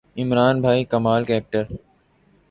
عمران بھائی کمال کے ایکڑ